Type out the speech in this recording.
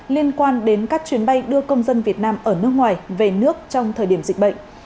liên quan đến các chuyến bay đưa công dân việt nam ở nước ngoài về nước trong thời điểm dịch bệnh